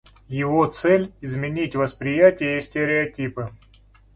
Его цель — изменить восприятие и стереотипы.